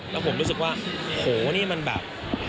แล้วผมรู้สึกว่าโหนี่มันแบบ